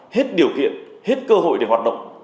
hết điều kiện hết cơ hội để hoạt động